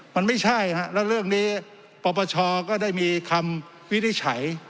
มันไม่ใช่ครับแล้วเรื่องนี้ประประชาก็ได้มีคำวิทย์ไฉ